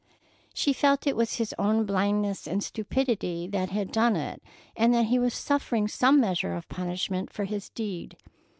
She felt it was his own blindness and stupidity that had done it, and that he was suffering some measure of punishment for his deed.